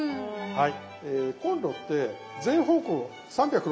はい。